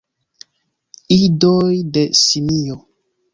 Idoj de simio!